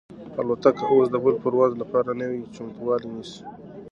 الوتکه اوس د بل پرواز لپاره نوی چمتووالی نیسي.